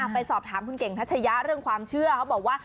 ไปสอบถามคุณเก่งทัชยะเรื่องความเชื่อเขาบอกว่า